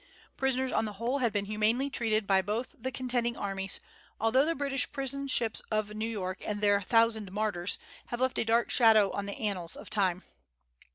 Prisoners, on the whole, had been humanely treated by both the contending armies, although the British prison ships of New York and their "thousand martyrs" have left a dark shadow on the annals of the time.